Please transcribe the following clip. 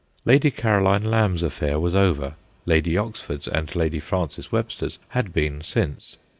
Lady Caroline Lamb's affair was over ; Lady Oxford's and Lady Frances Webster's had been since.